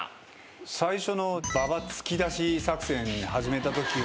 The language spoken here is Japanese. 最初のババ突き出し作戦始めたときは。